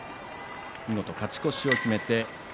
見事、勝ち越しを決めました。